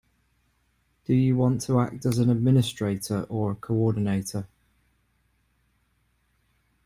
Do you want to act as administrator or coordinator?